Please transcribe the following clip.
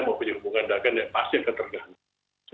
memiliki hubungan dagang yang pasti akan terganggu